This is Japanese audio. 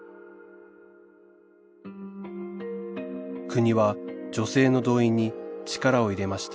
国は女性の動員に力を入れました